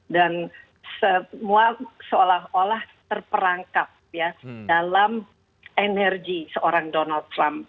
dan semua seolah olah terperangkap dalam energi seorang donald trump